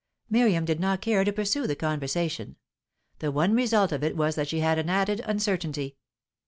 Miriam did not care to pursue the conversation. The one result of it was that she had an added uncertainty.